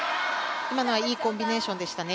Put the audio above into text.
今のはいいコンビネーションでしたね。